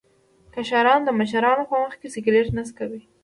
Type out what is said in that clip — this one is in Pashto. کشران د مشرانو په مخ کې سګرټ نه څکوي.